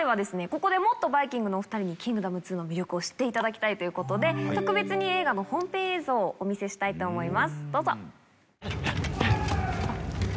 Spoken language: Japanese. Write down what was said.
ここでもっとバイきんぐのお２人に『キングダム２』の魅力を知っていただきたいということで。をお見せしたいと思いますどうぞ。